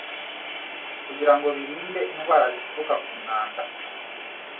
kugira ngo birinde indwara zituruka ku mwanda